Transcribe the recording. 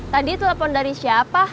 tadi telepon dari siapa